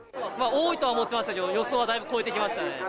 多いとは思ってましたけど、予想はだいぶ超えてきましたね。